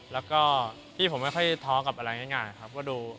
แล้วก็พี่ผมไม่ค่อยทอล์กกับอะไรง่ายครับ